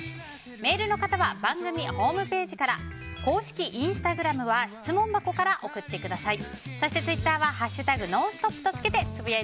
メールの方は番組ホームページから公式インスタグラムから送ってください。